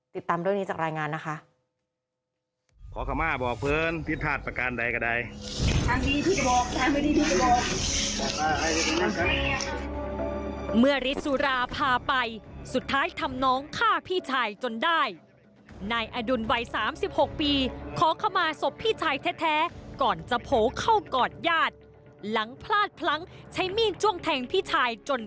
ติดตามด้วยนี้จากรายงานนะคะ